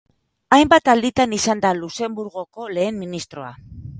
Hainbat alditan izan da Luxenburgoko lehen ministroa.